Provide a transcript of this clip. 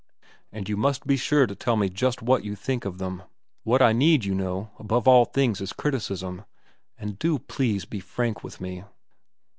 And you must be sure to tell me just what you think of them. What I need, you know, above all things, is criticism. And do, please, be frank with me."